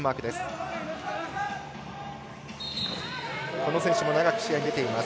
この選手も長く試合に出ています。